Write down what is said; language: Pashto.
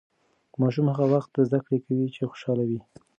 ماشوم هغه وخت زده کړه کوي چې خوشاله وي.